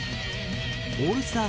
オールスター